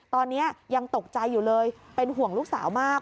ตอนนี้ยังตกใจอยู่เลยเป็นห่วงลูกสาวมาก